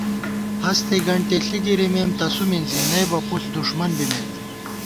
ہستے گنٹےݪی گِرِمېم تسُو مِنزی نئیبہ پُݪ دُݭمن بِمېت